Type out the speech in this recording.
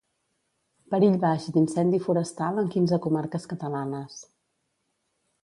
Perill baix d'incendi forestal en quinze comarques catalanes.